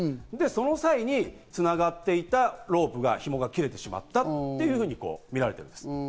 その際に繋がっていたロープが紐が切れてしまったというふうに見られています。